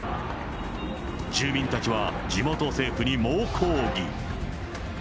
住民たちは地元政府に猛抗議。